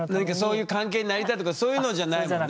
そういう関係になりたいとかそういうのじゃないもんね。